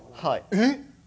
えっ！